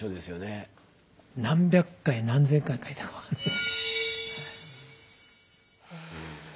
何百回何千回書いたか分かんないです。